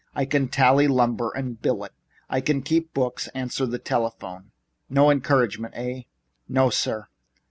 I can tally lumber and bill it. I can keep books and answer the telephone." "No encouragement, eh?" "No, sir."